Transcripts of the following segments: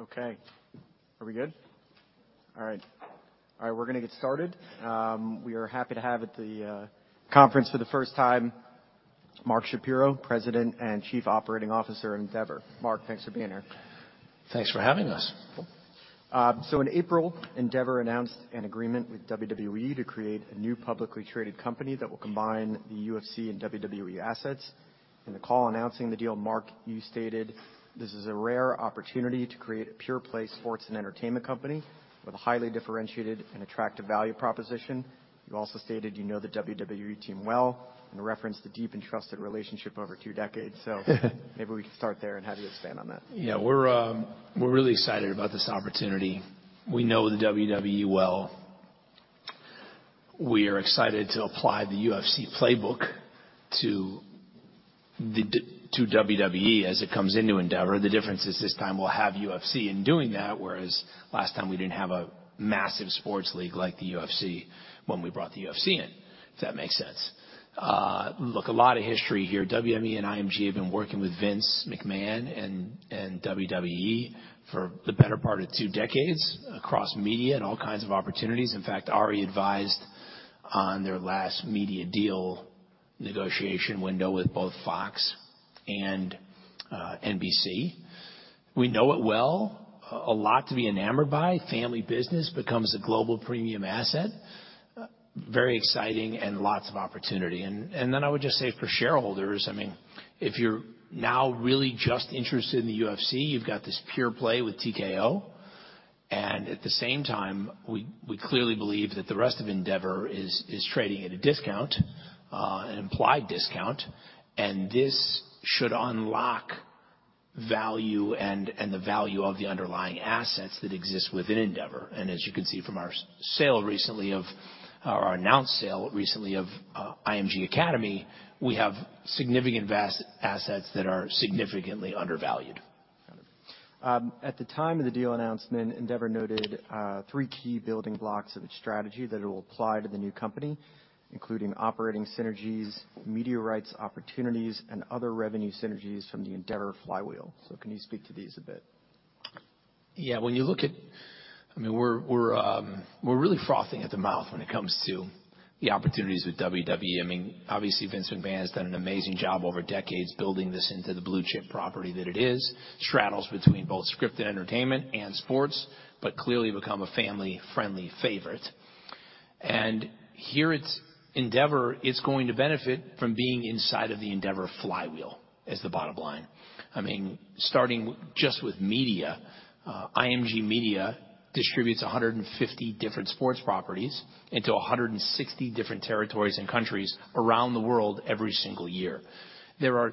Okay. Are we good? All right. We're gonna get started. We are happy to have at the conference for the first time Mark Shapiro, President and Chief Operating Officer of Endeavor. Mark, thanks for being here. Thanks for having us. In April, Endeavor announced an agreement with WWE to create a new publicly traded company that will combine the UFC and WWE assets. In the call announcing the deal, Mark, you stated this is a rare opportunity to create a pure play sports and entertainment company with a highly differentiated and attractive value proposition. You also stated you know the WWE team well and referenced the deep and trusted relationship over two decades. Maybe we can start there and have you expand on that. We're really excited about this opportunity. We know the WWE well. We are excited to apply the UFC playbook to the WWE as it comes into Endeavor. The difference is this time we'll have UFC in doing that, whereas last time we didn't have a massive sports league like the UFC when we brought the UFC in, if that makes sense. Look, a lot of history here. WME and IMG have been working with Vince McMahon and WWE for the better part of two decades across media and all kinds of opportunities. In fact, Ari advised on their last media deal negotiation window with both Fox and NBC. We know it well. A lot to be enamored by. Family business becomes a global premium asset. Very exciting and lots of opportunity. I would just say for shareholders, I mean, if you're now really just interested in the UFC, you've got this pure play with TKO, and at the same time, we clearly believe that the rest of Endeavor is trading at a discount, an implied discount, and this should unlock value and the value of the underlying assets that exist within Endeavor. As you can see from our sale recently of, or our announced sale recently of IMG Academy, we have significant assets that are significantly undervalued. At the time of the deal announcement, Endeavor noted, three key building blocks of its strategy that it will apply to the new company, including operating synergies, media rights opportunities, and other revenue synergies from the Endeavor flywheel. Can you speak to these a bit? When you look at... I mean, we're really frothing at the mouth when it comes to the opportunities with WWE. I mean, obviously, Vince McMahon has done an amazing job over decades building this into the blue chip property that it is. Straddles between both scripted entertainment and sports, but clearly become a family-friendly favorite. Here it's Endeavor is going to benefit from being inside of the Endeavor flywheel, is the bottom line. I mean, starting just with media, IMG Media distributes 150 different sports properties into 160 different territories and countries around the world every single year. There are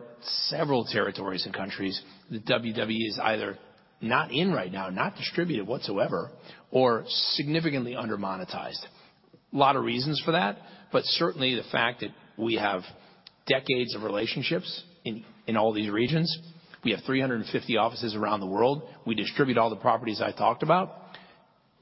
several territories and countries that WWE is either not in right now, not distributed whatsoever, or significantly under-monetized. Lot of reasons for that, but certainly the fact that we have decades of relationships in all these regions. We have 350 offices around the world. We distribute all the properties I talked about.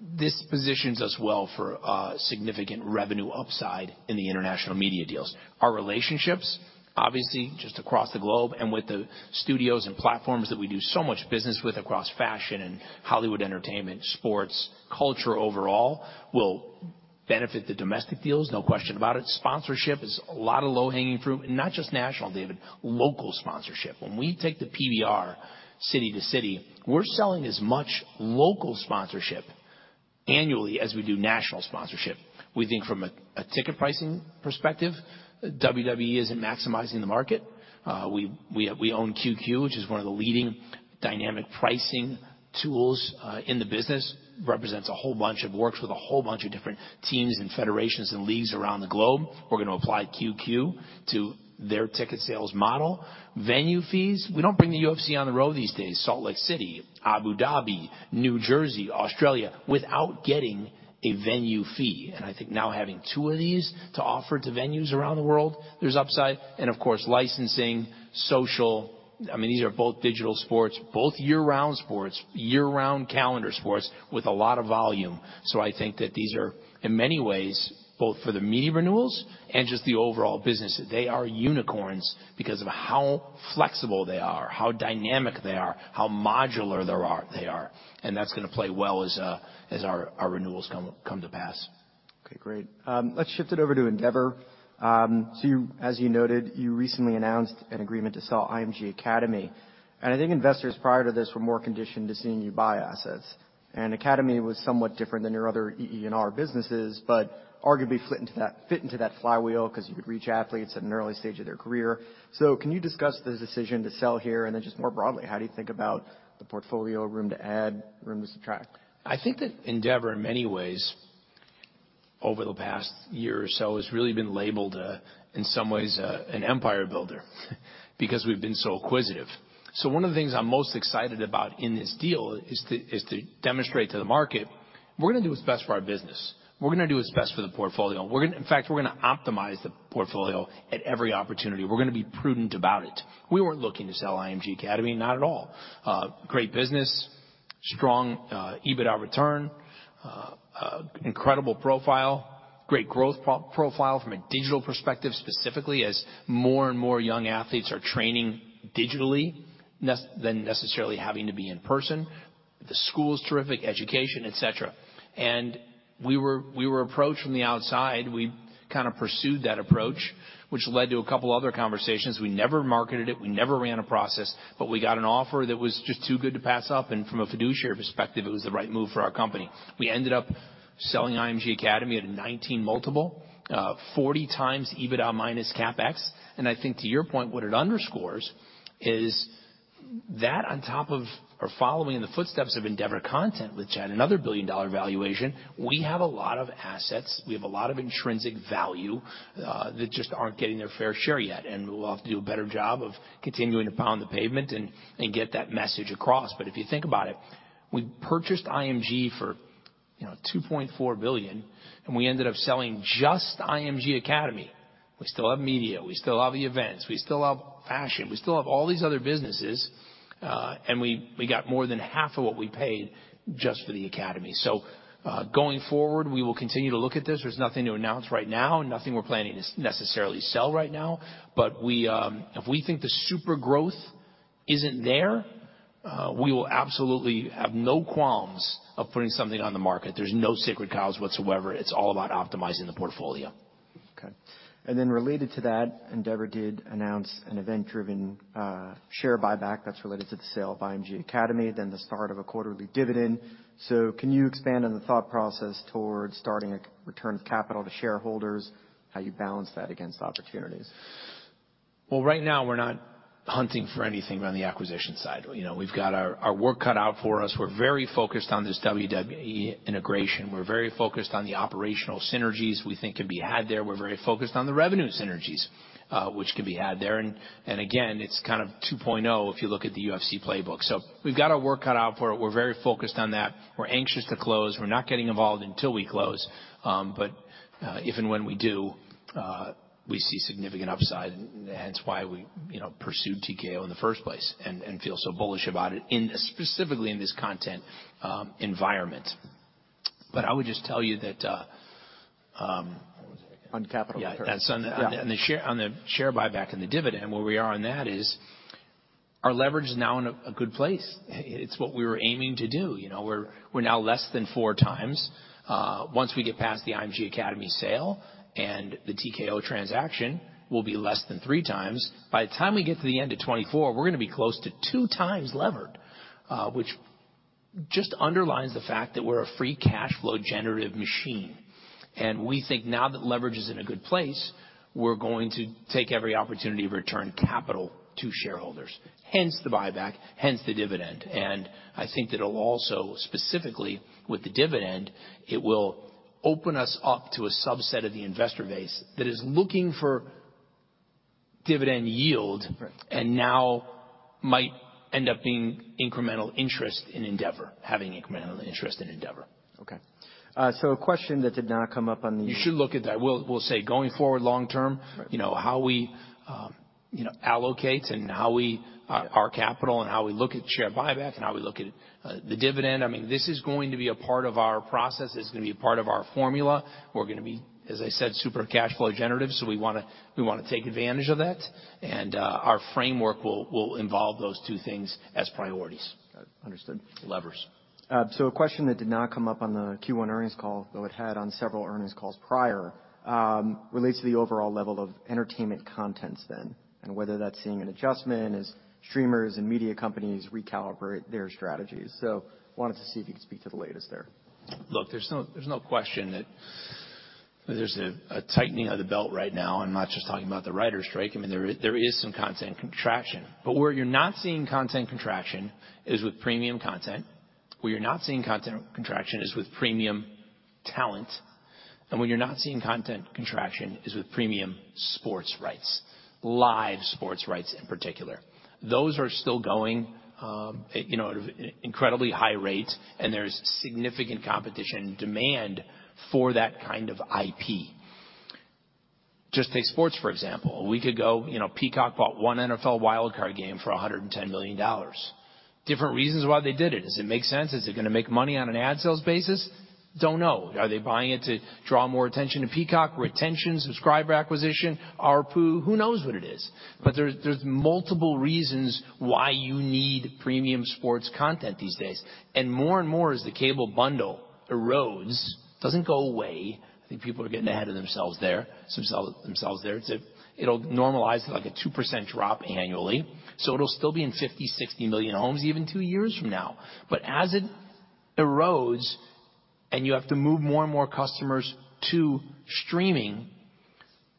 This positions us well for significant revenue upside in the international media deals. Our relationships, obviously, just across the globe and with the studios and platforms that we do so much business with across fashion and Hollywood entertainment, sports, culture overall, will benefit the domestic deals, no question about it. Sponsorship is a lot of low-hanging fruit, and not just national, David, local sponsorship. When we take the PBR city to city, we're selling as much local sponsorship annually as we do national sponsorship. We think from a ticket pricing perspective, WWE isn't maximizing the market. We own Qcue, which is one of the leading dynamic pricing tools in the business. Works with a whole bunch of different teams and federations and leagues around the globe. We're gonna apply Qcue to their ticket sales model. Venue fees. We don't bring the UFC on the road these days, Salt Lake City, Abu Dhabi, New Jersey, Australia, without getting a venue fee. I think now having two of these to offer to venues around the world, there's upside. Of course, licensing, social. I mean, these are both digital sports, both year-round sports. Year-round calendar sports with a lot of volume. I think that these are, in many ways, both for the media renewals and just the overall business, they are unicorns because of how flexible they are, how dynamic they are, how modular they are, and that's gonna play well as our renewals come to pass. Okay, great. Let's shift it over to Endeavor. As you noted, you recently announced an agreement to sell IMG Academy. I think investors prior to this were more conditioned to seeing you buy assets. Academy was somewhat different than your other E&R businesses, but arguably fit into that flywheel 'cause you could reach athletes at an early stage of their career. Can you discuss the decision to sell here? Then just more broadly, how do you think about the portfolio, room to add, room to subtract? I think that Endeavor in many ways over the past year or so has really been labeled a, in some ways, an empire builder because we've been so acquisitive. One of the things I'm most excited about in this deal is to, is to demonstrate to the market we're gonna do what's best for our business. We're gonna do what's best for the portfolio. In fact, we're gonna optimize the portfolio at every opportunity. We're gonna be prudent about it. We weren't looking to sell IMG Academy, not at all. Great business, strong EBITDA return, Incredible profile, great growth profile from a digital perspective, specifically as more and more young athletes are training digitally than necessarily having to be in person. The school is terrific, education, et cetera. We were approached from the outside. We kinda pursued that approach, which led to a couple other conversations. We never marketed it, we never ran a process, but we got an offer that was just too good to pass up, and from a fiduciary perspective, it was the right move for our company. We ended up selling IMG Academy at a 19 multiple, 40x EBITDA minus CapEx. I think to your point, what it underscores is that on top of or following in the footsteps of Fifth Season, which had another billion-dollar valuation, we have a lot of assets, we have a lot of intrinsic value, that just aren't getting their fair share yet, and we'll have to do a better job of continuing to pound the pavement and get that message across. If you think about it, we purchased IMG for, you know, $2.4 billion, and we ended up selling just IMG Academy. We still have media, we still have the events, we still have fashion, we still have all these other businesses, and we got more than half of what we paid just for the academy. Going forward, we will continue to look at this. There's nothing to announce right now, nothing we're planning to necessarily sell right now, but we, if we think the super growth isn't there, we will absolutely have no qualms of putting something on the market. There's no sacred cows whatsoever. It's all about optimizing the portfolio. Okay. Related to that, Endeavor did announce an event-driven share buyback that's related to the sale of IMG Academy, then the start of a quarterly dividend. Can you expand on the thought process towards starting a return to capital to shareholders, how you balance that against opportunities? Well, right now, we're not hunting for anything on the acquisition side. You know, we've got our work cut out for us. We're very focused on this WWE integration. We're very focused on the operational synergies we think can be had there. We're very focused on the revenue synergies, which can be had there. Again, it's kind of 2.0 if you look at the UFC playbook. We've got our work cut out for it. We're very focused on that. We're anxious to close. We're not getting involved until we close. If and when we do, we see significant upside, hence why we, you know, pursued TKO in the first place and feel so bullish about it specifically in this content environment. I would just tell you that. On capital. On the share buyback and the dividend, where we are on that is our leverage is now in a good place. It's what we were aiming to do. You know, we're now less than 4x. Once we get past the IMG Academy sale and the TKO transaction, we'll be less than 3x. By the time we get to the end of 2024, we're gonna be close to 2x levered, which just underlines the fact that we're a free cash flow generative machine. We think now that leverage is in a good place, we're going to take every opportunity to return capital to shareholders, hence the buyback, hence the dividend. I think that it'll also, specifically with the dividend, it will open us up to a subset of the investor base that is looking for dividend yield. Right. Now might end up being incremental interest in Endeavor, having incremental interest in Endeavor. Okay. A question that did not come up on— You should look at that. We'll say going forward long term— Right. — you know, how we, you know, allocate and how we, our capital and how we look at share buyback and how we look at the dividend, I mean, this is going to be a part of our process. This is gonna be part of our formula. We're gonna be, as I said, super cash flow generative, so we wanna take advantage of that. Our framework will involve those two things as priorities. Understood. Levers. A question that did not come up on the Q1 earnings call, though it had on several earnings calls prior, relates to the overall level of entertainment content spend, and whether that's seeing an adjustment as streamers and media companies recalibrate their strategies. Wanted to see if you could speak to the latest there. Look, there's no, there's no question that there's a tightening of the belt right now. I'm not just talking about the writers' strike. I mean, there is some content contraction. Where you're not seeing content contraction is with premium content. Where you're not seeing content contraction is with premium talent. Where you're not seeing content contraction is with premium sports rights, live sports rights in particular. Those are still going, at, you know, at incredibly high rates, and there's significant competition demand for that kind of IP. Just take sports, for example. A week ago, you know, Peacock bought one NFL Wild Card game for $110 million. Different reasons why they did it. Does it make sense? Is it gonna make money on an ad sales basis? Don't know. Are they buying it to draw more attention to Peacock, retention, subscriber acquisition, ARPU? Who knows what it is? There's multiple reasons why you need premium sports content these days. More and more as the cable bundle erodes, doesn't go away, I think people are getting ahead of themselves there, themselves there. It'll normalize like a 2% drop annually, so it'll still be in 50 million, 60 million homes even two years from now. As it erodes and you have to move more and more customers to streaming,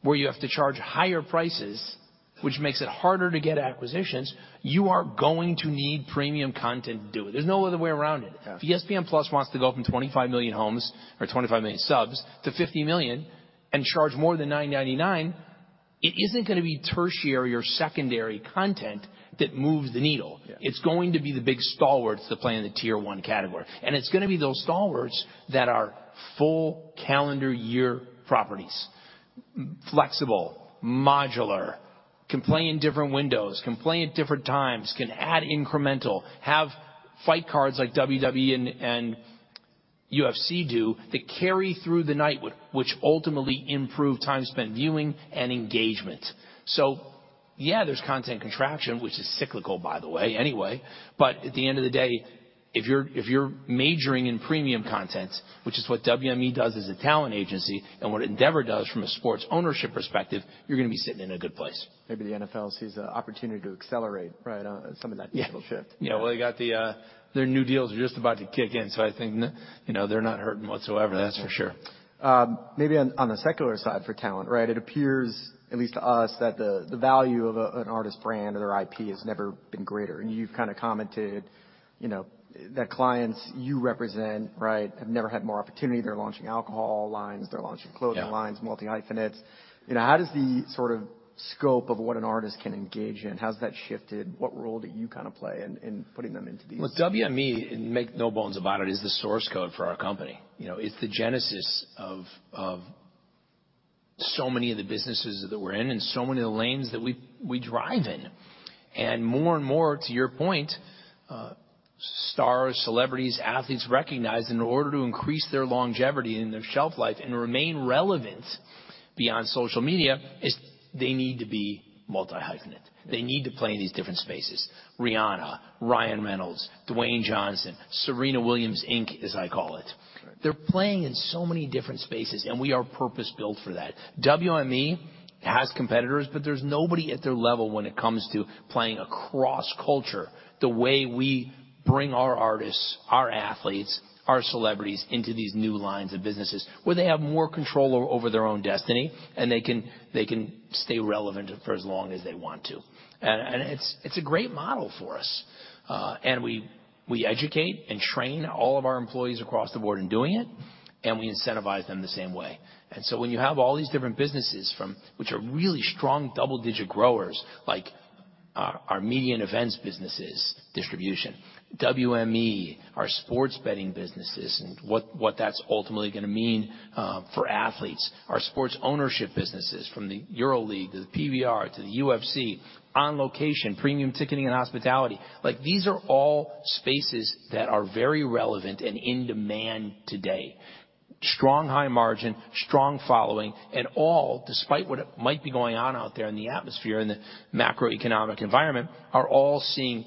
where you have to charge higher prices, which makes it harder to get acquisitions, you are going to need premium content to do it. There's no other way around it. Yeah. If ESPN+ wants to go from 25 million homes or 25 million subs to 50 million and charge more than $9.99, it isn't gonna be tertiary or secondary content that moves the needle. Yeah. It's going to be the big stalwarts that play in the tier one category. It's gonna be those stalwarts that are full calendar year properties, flexible, modular. Can play in different windows, can play at different times, can add incremental, have fight cards like WWE and UFC do that carry through the night, which ultimately improve time spent viewing and engagement. Yeah, there's content contraction, which is cyclical by the way, anyway. At the end of the day, if you're majoring in premium content, which is what WME does as a talent agency and what Endeavor does from a sports ownership perspective, you're gonna be sitting in a good place. Maybe the NFL sees a opportunity to accelerate, right, some of that digital shift. Yeah. Well, they got the, their new deals are just about to kick in, so I think you know, they're not hurting whatsoever, that's for sure. Maybe on the secular side for talent, right, it appears, at least to us, that the value of an artist brand or their IP has never been greater. You've kinda commented, you know, that clients you represent, right, have never had more opportunity. They're launching alcohol lines, they're launching clothing lines— Yeah. — multi-hyphenates. You know, how does the sort of scope of what an artist can engage in, how's that shifted? What role do you kinda play in putting them into these? Look, WME, and make no bones about it, is the source code for our company. You know, it's the genesis of so many of the businesses that we're in and so many of the lanes that we drive in. More and more, to your point, stars, celebrities, athletes recognize in order to increase their longevity and their shelf life and remain relevant beyond social media is they need to be multi-hyphenate. They need to play in these different spaces. Rihanna, Ryan Reynolds, Dwayne Johnson, Serena Williams Inc., as I call it. Right. They're playing in so many different spaces, and we are purpose-built for that. WME has competitors, but there's nobody at their level when it comes to playing across culture the way we bring our artists, our athletes, our celebrities into these new lines of businesses where they have more control over their own destiny and they can stay relevant for as long as they want to. It's a great model for us. We educate and train all of our employees across the board in doing it, and we incentivize them the same way. When you have all these different businesses from, which are really strong double-digit growers, like our media and events businesses, distribution, WME, our sports betting businesses and what that's ultimately gonna mean for athletes. Our sports ownership businesses from the EuroLeague to the PBR to the UFC, On Location, premium ticketing and hospitality. Like, these are all spaces that are very relevant and in demand today. Strong high margin, strong following, and all, despite what might be going on out there in the atmosphere and the macroeconomic environment, are all seeing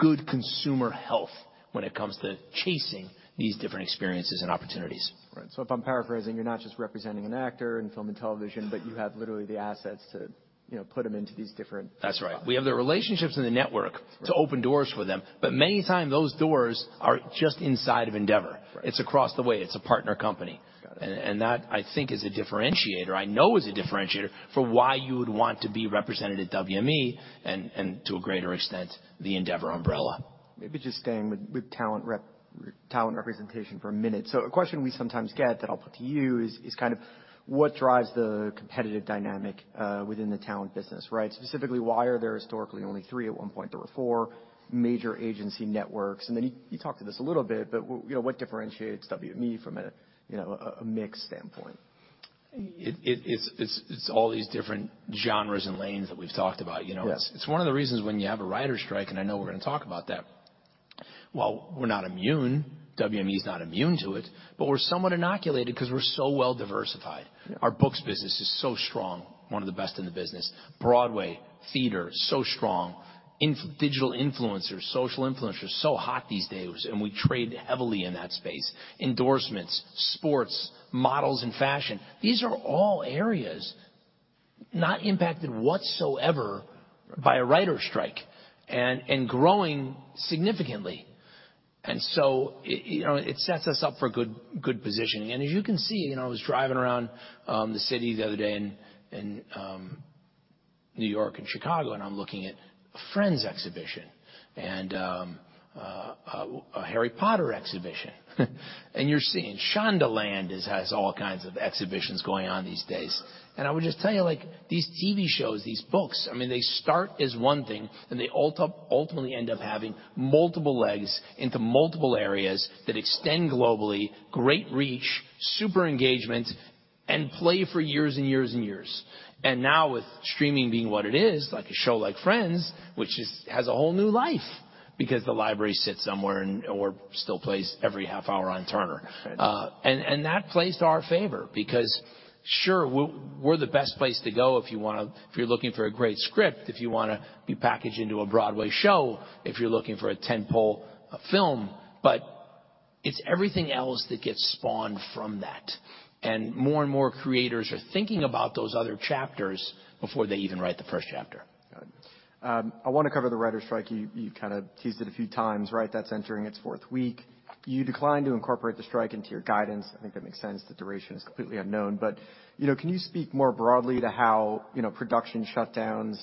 good consumer health when it comes to chasing these different experiences and opportunities. Right. If I'm paraphrasing, you're not just representing an actor in film and television, but you have literally the assets to, you know, put them into these different— That's right. We have the relationships and the network to open doors for them, but many time those doors are just inside of Endeavor. Right. It's across the way. It's a partner company. Got it. That, I think, is a differentiator. I know is a differentiator for why you would want to be represented at WME and to a greater extent, the Endeavor umbrella. Maybe just staying with talent representation for a minute. A question we sometimes get that I'll put to you is kind of what drives the competitive dynamic within the talent business, right? Specifically, why are there historically only three? At one point, there were four major agency networks. Then you talked to this a little bit, you know, what differentiates WME from a, you know, a mix standpoint? It's all these different genres and lanes that we've talked about, you know? Yes. It's one of the reasons when you have a writers' strike, and I know we're gonna talk about that, while we're not immune, WME's not immune to it, but we're somewhat inoculated 'cause we're so well diversified. Yeah. Our books business is so strong, one of the best in the business. Broadway theatre, so strong. Digital influencers, social influencers, so hot these days, and we trade heavily in that space. Endorsements, sports, models and fashion. These are all areas not impacted whatsoever by a writers' strike and growing significantly. So you know, it sets us up for good positioning. As you can see, you know, I was driving around the city the other day in New York and Chicago, and I'm looking at The Friends exhibition and a Harry Potter exhibition. You're seeing Shondaland has all kinds of exhibitions going on these days. I would just tell you, like, these TV shows, these books, I mean, they start as one thing, and they ultimately end up having multiple legs into multiple areas that extend globally, great reach, super engagement, and play for years and years and years. Now with streaming being what it is, like a show like Friends, which has a whole new life because the library sits somewhere or still plays every half hour on Turner. Right. And that plays to our favor because, sure, we're the best place to go if you're looking for a great script, if you wanna be packaged into a Broadway show, if you're looking for a tent-pole, a film. It's everything else that gets spawned from that. More and more creators are thinking about those other chapters before they even write the first chapter. Got it. I wanna cover the writers' strike. You kinda teased it a few times, right? That's entering its fourth week. You declined to incorporate the strike into your guidance. I think that makes sense. The duration is completely unknown. You know, can you speak more broadly to how, you know, production shutdowns,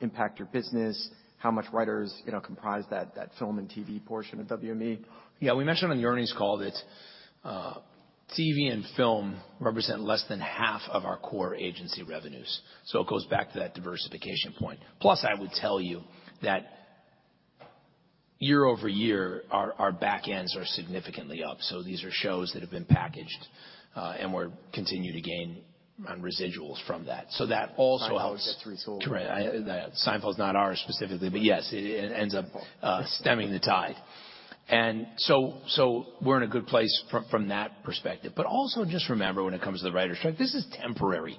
impact your business? How much writers, you know, comprise that film and TV portion of WME? Yeah. We mentioned on the earnings call that TV and film represent less than half of our core agency revenues. It goes back to that diversification point. I would tell you that year-over-year, our backends are significantly up. These are shows that have been packaged, and we're continuing to gain on residuals from that. That also helps. Seinfeld gets resold. Right. Seinfeld's not ours specifically, yes, it ends up stemming the tide. We're in a good place from that perspective. Also just remember when it comes to the writers strike, this is temporary.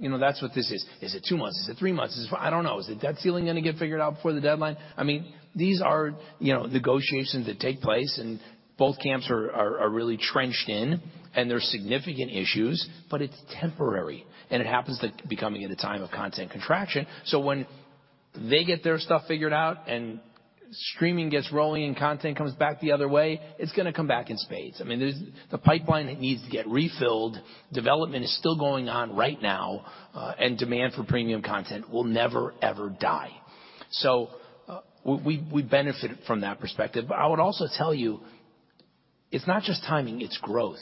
You know, that's what this is. Is it two months? Is it three months? I don't know. Is the debt ceiling gonna get figured out before the deadline? I mean, these are, you know, negotiations that take place, both camps are really trenched in, there's significant issues, it's temporary. It happens to be coming at a time of content contraction. When they get their stuff figured out and streaming gets rolling and content comes back the other way, it's gonna come back in spades. I mean, there's the pipeline that needs to get refilled, development is still going on right now, and demand for premium content will never, ever die. We benefit from that perspective. I would also tell you, it's not just timing, it's growth.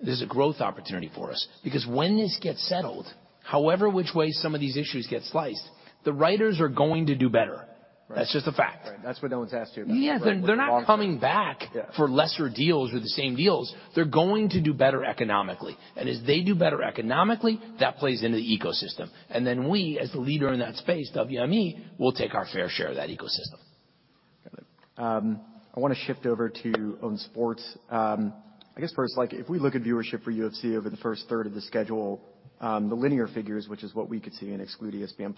There's a growth opportunity for us because when this gets settled, however which way some of these issues get sliced, the writers are going to do better. Right. That's just a fact. Right. That's what no one's asked you about. Yeah. They're not coming back- Yeah. for lesser deals or the same deals. They're going to do better economically. As they do better economically, that plays into the ecosystem. Then we as the leader in that space, WME, will take our fair share of that ecosystem. I wanna shift over to own sports. I guess first, like, if we look at viewership for UFC over the first third of the schedule, the linear figures, which is what we could see and exclude ESPN+,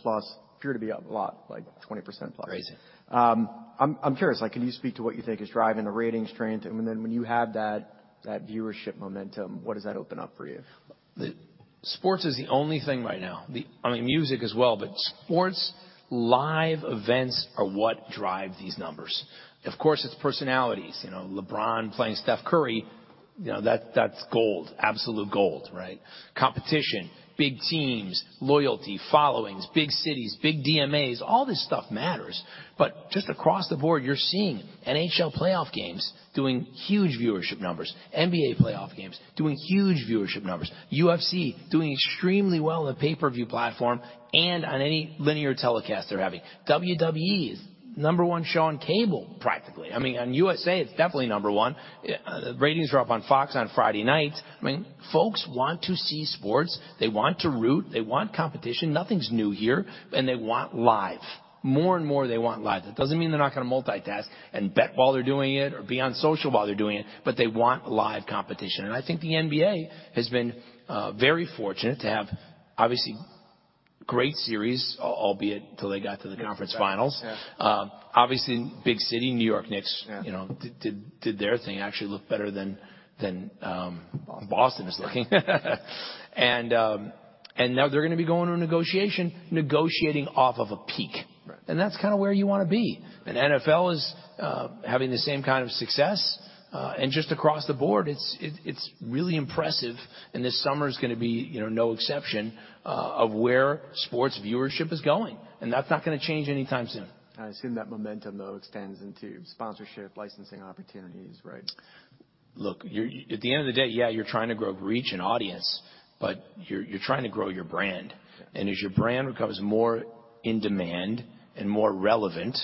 appear to be up a lot, like 20%+. Crazy. I'm curious, like can you speak to what you think is driving the ratings trend? Then when you have that viewership momentum, what does that open up for you? Sports is the only thing right now. I mean, music as well, but sports live events are what drive these numbers. Of course, it's personalities. You know, LeBron playing Steph Curry, you know, that's gold, absolute gold, right? Competition, big teams, loyalty, followings, big cities, big DMAs, all this stuff matters. Just across the board, you're seeing NHL playoff games doing huge viewership numbers, NBA playoff games doing huge viewership numbers, UFC doing extremely well in the pay-per-view platform and on any linear telecast they're having. WWE is number one show on cable, practically. I mean, on USA, it's definitely number one. Ratings are up on Fox on Friday nights. I mean, folks want to see sports. They want to root, they want competition. Nothing's new here. They want live. More and more they want live. That doesn't mean they're not gonna multitask and bet while they're doing it or be on social while they're doing it, but they want live competition. I think the NBA has been very fortunate to have obviously great series, albeit till they got to the conference finals. Yeah. obviously big city, New York Knicks- Yeah. you know, did their thing. Actually looked better than Boston is looking. Now they're gonna be going to a negotiation, negotiating off of a peak. Right. That's kinda where you wanna be. NFL is having the same kind of success, and just across the board, it's really impressive and this summer's gonna be, you know, no exception, of where sports viewership is going. That's not gonna change anytime soon. I assume that momentum though extends into sponsorship, licensing opportunities, right? Look, you're at the end of the day, yeah, you're trying to grow, reach an audience, but you're trying to grow your brand. As your brand becomes more in demand and more relevant,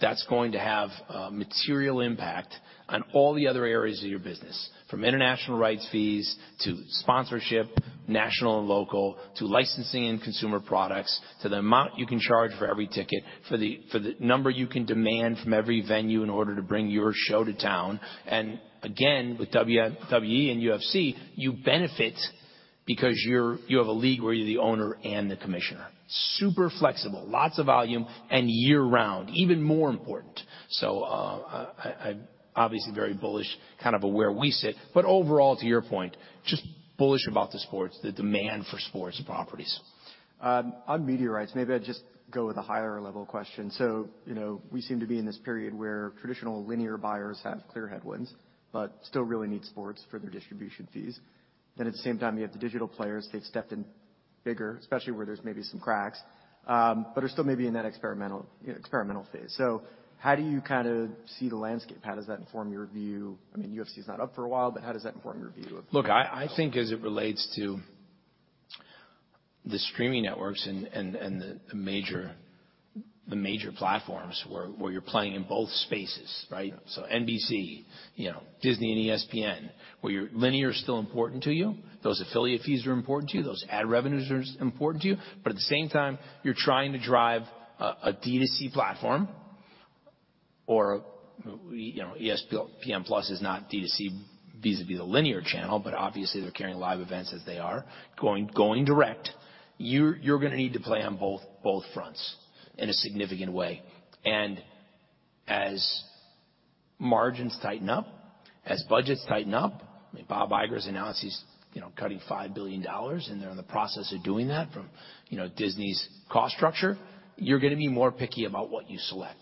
that's going to have a material impact on all the other areas of your business, from international rights fees to sponsorship, national and local, to licensing and consumer products, to the amount you can charge for every ticket, for the number you can demand from every venue in order to bring your show to town. Again, with WWE and UFC, you benefit because you have a league where you're the owner and the commissioner. Super flexible, lots of volume and year-round, even more important. I'm obviously very bullish, kind of where we sit, but overall, to your point, just bullish about the sports, the demand for sports properties. On media rights, maybe I'd just go with a higher level question. You know, we seem to be in this period where traditional linear buyers have clear headwinds, but still really need sports for their distribution fees. At the same time, you have the digital players, they've stepped in bigger, especially where there's maybe some cracks, but are still maybe in that experimental phase. How do you kinda see the landscape? How does that inform your view? I mean, UFC is not up for a while, but how does that inform your view? Look, I think as it relates to the streaming networks and the major platforms where you're playing in both spaces, right? Yeah. NBC, you know, Disney and ESPN, where your linear is still important to you, those affiliate fees are important to you, those ad revenues are important to you, but at the same time, you're trying to drive a D2C platform or, you know, ESPN+ is not D2C vis-à-vis the linear channel, but obviously they're carrying live events as they are. Going direct, you're gonna need to play on both fronts in a significant way. As margins tighten up, as budgets tighten up, I mean, Bob Iger's announced he's, you know, cutting $5 billion and they're in the process of doing that from, you know, Disney's cost structure, you're gonna be more picky about what you select.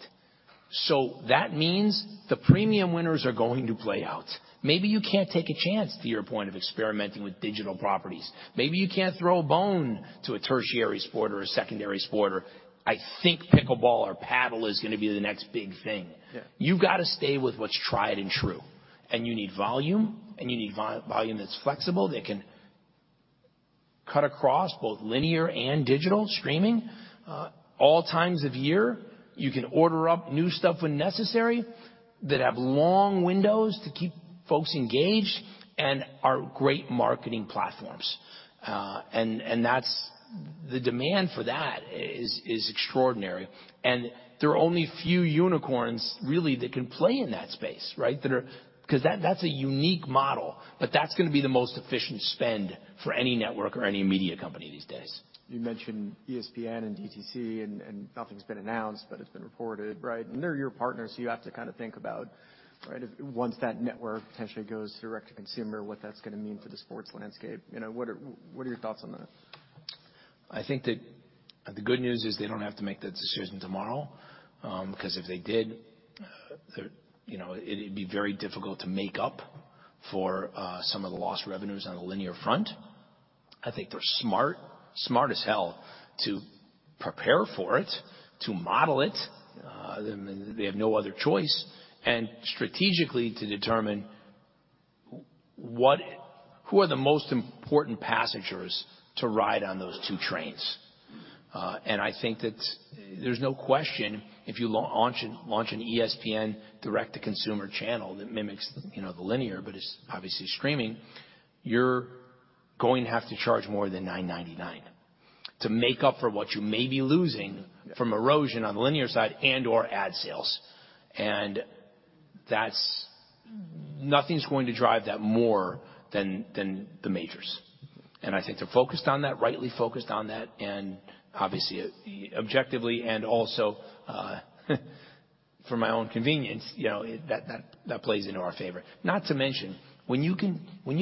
That means the premium winners are going to play out. Maybe you can't take a chance, to your point of experimenting with digital properties. Maybe you can't throw a bone to a tertiary sport or a secondary sport, or I think pickleball or padel is gonna be the next big thing. Yeah. You've got to stay with what's tried and true. You need volume, and you need volume that's flexible, that Cut across both linear and digital streaming, all times of year. You can order up new stuff when necessary that have long windows to keep folks engaged and are great marketing platforms. The demand for that is extraordinary. There are only a few unicorns really that can play in that space, right? 'Cause that's a unique model. That's gonna be the most efficient spend for any network or any media company these days. You mentioned ESPN and DTC, nothing's been announced, but it's been reported, right? They're your partners, so you have to kinda think about, right, if once that network potentially goes direct-to-consumer, what that's gonna mean for the sports landscape. You know, what are your thoughts on that? I think that the good news is they don't have to make that decision tomorrow. 'Cause if they did, you know, it'd be very difficult to make up for some of the lost revenues on the linear front. I think they're smart as hell to prepare for it, to model it, they have no other choice. Strategically to determine who are the most important passengers to ride on those two trains. I think that there's no question if you launch an ESPN direct-to-consumer channel that mimics, you know, the linear, but it's obviously streaming, you're going to have to charge more than $9.99 to make up for what you may be losing from erosion on the linear side and/or ad sales. Nothing's going to drive that more than the majors. I think they're focused on that, rightly focused on that, and obviously objectively and also, for my own convenience, you know, that plays into our favor. Not to mention, when you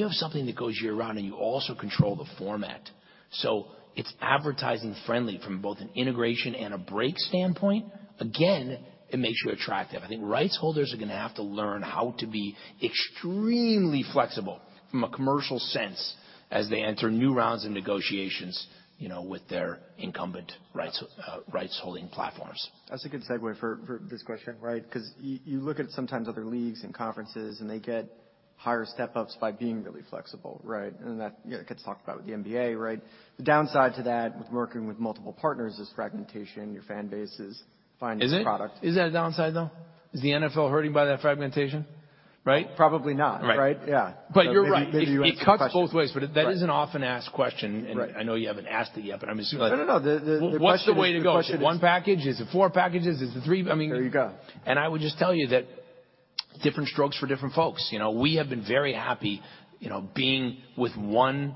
have something that goes year-round and you also control the format so it's advertising friendly from both an integration and a break standpoint, again, it makes you attractive. I think rights holders are gonna have to learn how to be extremely flexible from a commercial sense as they enter new rounds of negotiations, you know, with their incumbent rights holding platforms. That's a good segue for this question, right? 'Cause you look at sometimes other leagues and conferences and they get higher step-ups by being really flexible, right? That gets talked about with the NBA, right? The downside to that with working with multiple partners is fragmentation. Your fan base is finding product. Is it? Is that a downside though? Is the NFL hurting by that fragmentation, right? Probably not. Right. Right? Yeah. You're right. Maybe, maybe you answered the question. It cuts both ways, but that is an often-asked question. Right. I know you haven't asked it yet, but I'm assuming— No, no. The question is— What's the way to go? Is it one package? Is it four packages? Is it three? I mean- There you go. I would just tell you that different strokes for different folks. You know, we have been very happy, you know, being with one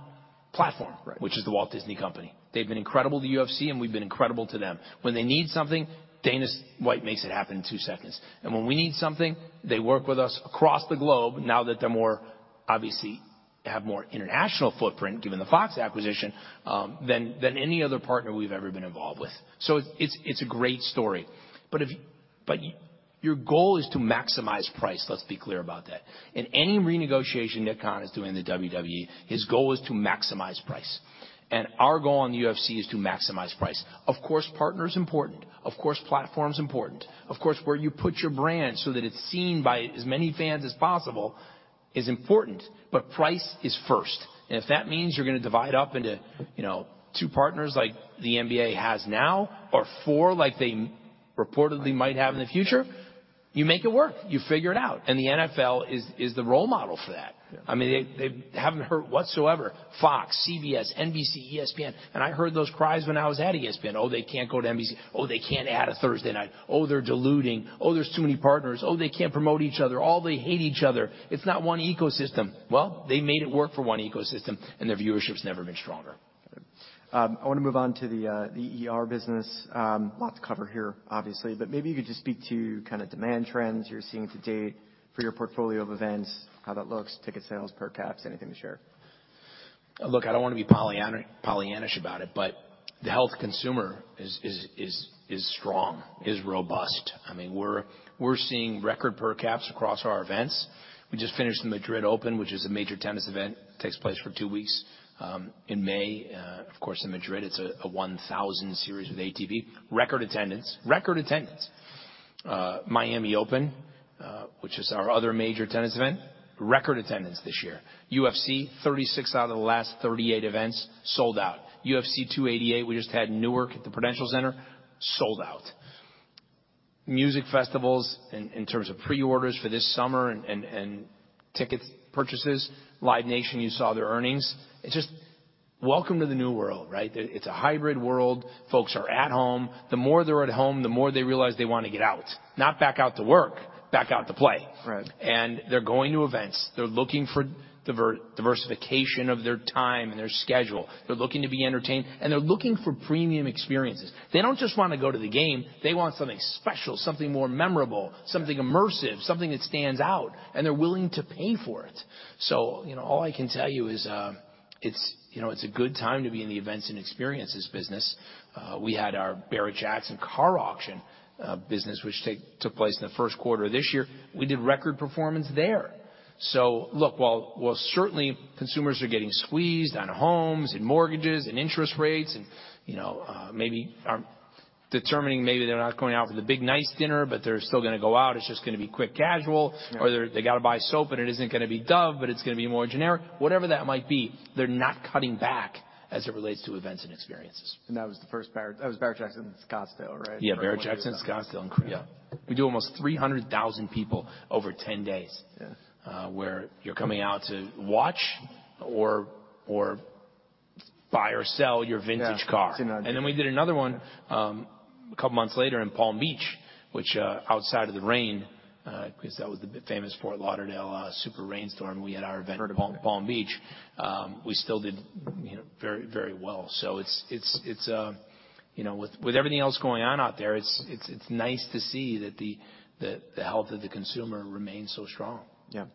platform— Right. — which is The Walt Disney Company. They've been incredible to UFC, we've been incredible to them. When they need something, Dana White makes it happen in two seconds. When we need something, they work with us across the globe now that they're more, obviously, have more international footprint, given the Fox acquisition, than any other partner we've ever been involved with. It's, it's a great story. Your goal is to maximize price, let's be clear about that. In any renegotiation Nick Khan is doing in the WWE, his goal is to maximize price. Our goal in the UFC is to maximize price. Of course, partner is important. Of course, platform's important. Of course, where you put your brand so that it's seen by as many fans as possible is important, but price is first. If that means you're gonna divide up into, you know, two partners like the NBA has now or four like they reportedly might have in the future, you make it work. You figure it out. The NFL is the role model for that. Yeah. I mean, they haven't hurt whatsoever. Fox, CBS, NBC, ESPN. I heard those cries when I was at ESPN. "Oh, they can't go to NBC. Oh, they can't add a Thursday night. Oh, they're diluting. Oh, there's too many partners. Oh, they can't promote each other. Oh, they hate each other. It's not one ecosystem." Well, they made it work for one ecosystem, and their viewership's never been stronger. I wanna move on to the ER business. A lot to cover here, obviously, but maybe you could just speak to kind of demand trends you're seeing to date for your portfolio of events, how that looks, ticket sales, per caps, anything to share? Look, I don't want to be polyanish about it, but the health consumer is strong, is robust. I mean, we're seeing record per caps across our events. We just finished the Madrid Open, which is a major tennis event, takes place for two weeks in May. Of course, in Madrid, it's a 1,000 series with ATP. Record attendance. Record attendance. Miami Open, which is our other major tennis event, record attendance this year. UFC, 36 out of the last 38 events sold out. UFC 288, we just had Newark at the Prudential Center, sold out. Music festivals in terms of pre-orders for this summer and ticket purchases, Live Nation, you saw their earnings. It's just welcome to the new world, right? It's a hybrid world. Folks are at home. The more they're at home, the more they realize they wanna get out. Not back out to work, back out to play. Right. They're going to events. They're looking for diversification of their time and their schedule. They're looking to be entertained, and they're looking for premium experiences. They don't just wanna go to the game. They want something special, something more memorable. Yeah. something immersive, something that stands out, and they're willing to pay for it. you know, all I can tell you is, it's, you know, it's a good time to be in the events and experiences business. We had our Barrett-Jackson car auction business, which took place in the first quarter of this year. We did record performance there. look, while certainly consumers are getting squeezed on homes and mortgages and interest rates and, you know, maybe they're not going out for the big, nice dinner, but they're still gonna go out. It's just gonna be quick casual. Yeah. They gotta buy soap, and it isn't gonna be Dove, but it's gonna be more generic. Whatever that might be, they're not cutting back as it relates to events and experiences. That was Barrett-Jackson Scottsdale, right? Yeah, Barrett-Jackson Scottsdale. Yeah. We do almost 300,000 people over 10 days. Yeah. Where you're coming out to watch or buy or sell your vintage car. Yeah. It's another- We did another one, a couple months later in Palm Beach, which, outside of the rain, 'cause that was the famous Fort Lauderdale, super rainstorm. We had our event— Heard about that. — in Palm Beach. We still did, you know, very, very well. It's, you know, with everything else going on out there, it's nice to see that the health of the consumer remains so strong. Yeah.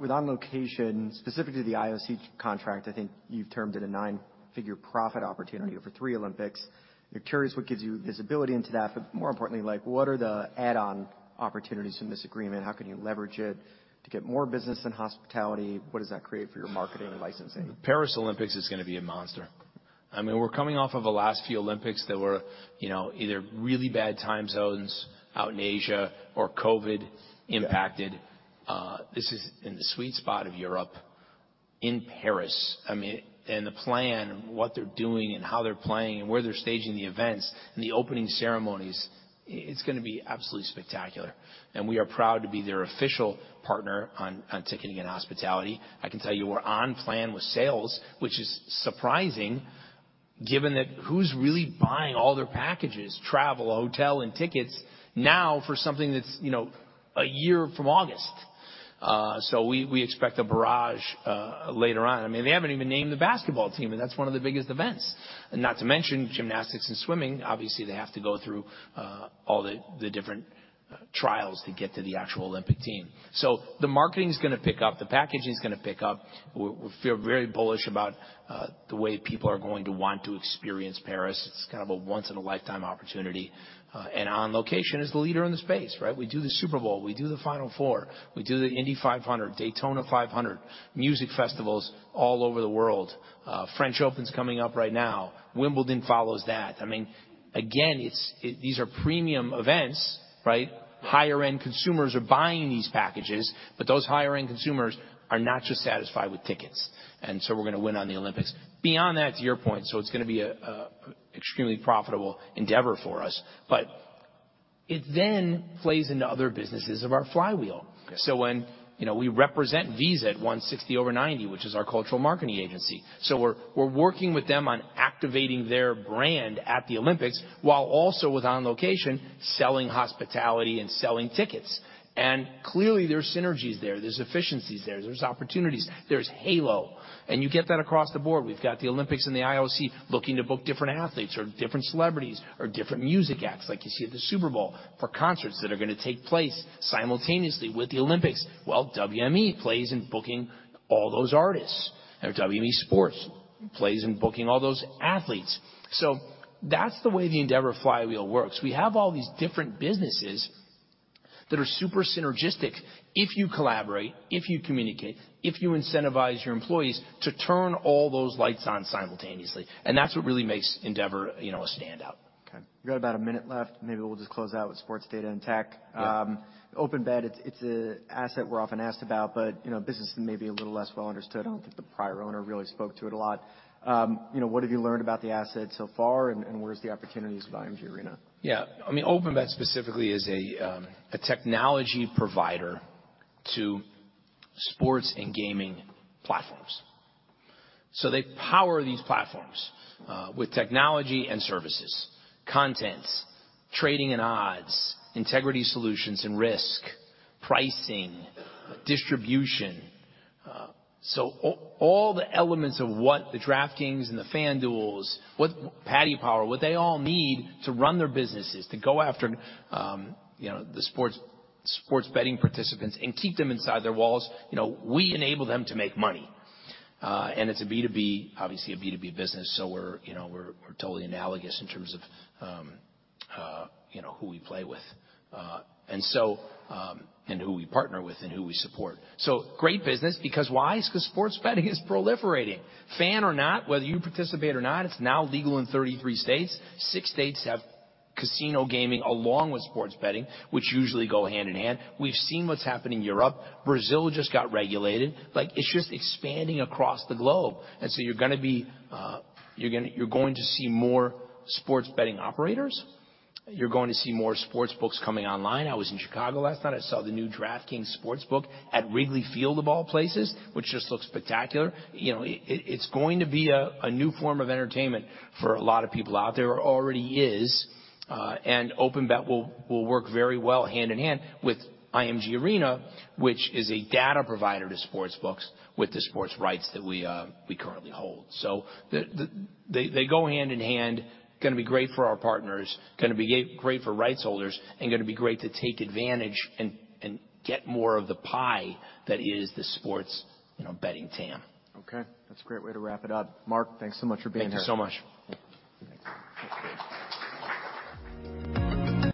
With On Location, specifically the IOC contract, I think you've termed it a nine-figure profit opportunity for three Olympics. You're curious what gives you visibility into that, but more importantly, like, what are the add-on opportunities from this agreement? How can you leverage it to get more business and hospitality? What does that create for your marketing and licensing? Paris Olympics is gonna be a monster. I mean, we're coming off of the last few Olympics that were, you know, either really bad time zones out in Asia or COVID impacted. This is in the sweet spot of Europe in Paris. I mean, and the plan, what they're doing and how they're playing and where they're staging the events and the opening ceremonies, it's gonna be absolutely spectacular. We are proud to be their official partner on ticketing and hospitality. I can tell you we're on plan with sales, which is surprising given that who's really buying all their packages, travel, hotel, and tickets now for something that's, you know, a year from August. We expect a barrage later on. I mean, they haven't even named the basketball team, and that's one of the biggest events. Not to mention gymnastics and swimming. Obviously, they have to go through all the different trials to get to the actual Olympic team. The marketing's gonna pick up. The packaging's gonna pick up. We feel very bullish about the way people are going to want to experience Paris. It's kind of a once in a lifetime opportunity. On Location is the leader in the space, right? We do the Super Bowl. We do the Final Four. We do the Indianapolis 500, Daytona 500, music festivals all over the world. French Open's coming up right now. Wimbledon follows that. I mean, again, these are premium events, right? Higher-end consumers are buying these packages, but those higher-end consumers are not just satisfied with tickets. We're gonna win on the Olympics. Beyond that, to your point, it's gonna be a extremely profitable endeavor for us. It plays into other businesses of our flywheel. Okay. When, you know, we represent Visa at 160over90, which is our cultural marketing agency. We're working with them on activating their brand at the Olympics, while also with On Location, selling hospitality and selling tickets. Clearly, there's synergies there. There's efficiencies there. There's opportunities. There's halo, you get that across the board. We've got the Olympics and the IOC looking to book different athletes or different celebrities or different music acts like you see at the Super Bowl for concerts that are gonna take place simultaneously with the Olympics. Well, WME plays in booking all those artists. WME Sports plays in booking all those athletes. That's the way the Endeavor flywheel works. We have all these different businesses that are super synergistic if you collaborate, if you communicate, if you incentivize your employees to turn all those lights on simultaneously. That's what really makes Endeavor, you know, a standout. We've got about a minute left. Maybe we'll just close out with sports, data, and tech. Yeah. OpenBet, it's a asset we're often asked about, but, you know, business may be a little less well understood. I don't think the prior owner really spoke to it a lot. You know, what have you learned about the asset so far, and where's the opportunities with IMG Arena? I mean, OpenBet specifically is a technology provider to sports and gaming platforms. They power these platforms with technology and services, content, trading and odds, integrity solutions and risk, pricing, distribution. All the elements of what the DraftKings and the FanDuel, Paddy Power, what they all need to run their businesses to go after, you know, the sports betting participants and keep them inside their walls, you know, we enable them to make money. It's a B2B, obviously a B2B business, so we're, you know, we're totally analogous in terms of, you know, who we play with. And who we partner with and who we support. Great business because why? Because sports betting is proliferating. Fan or not, whether you participate or not, it's now legal in 33 states. Six states have casino gaming along with sports betting, which usually go hand in hand. We've seen what's happened in Europe. Brazil just got regulated. Like, it's just expanding across the globe. So, you're going to see more sports betting operators. You're going to see more sports books coming online. I was in Chicago last night. I saw the new DraftKings Sportsbook at Wrigley Field, of all places, which just looks spectacular. You know, it's going to be a new form of entertainment for a lot of people out there. It already is. OpenBet will work very well hand in hand with IMG Arena, which is a data provider to sports books with the sports rights that we currently hold. They go hand in hand, gonna be great for our partners, gonna be great for rights holders and gonna be great to take advantage and get more of the pie that is the sports, you know, betting TAM. Okay. That's a great way to wrap it up. Mark, thanks so much for being here. Thank you so much. Thanks.